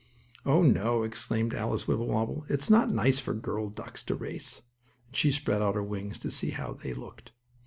"Oh, no," exclaimed Alice Wibblewobble, "it's not nice for girl ducks to race," and she spread out her wings to see how they looked.